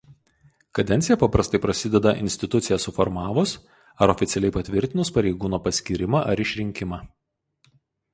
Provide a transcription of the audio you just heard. Kadencija paprastai prasideda instituciją suformavus ar oficialiai patvirtinus pareigūno paskyrimą ar išrinkimą.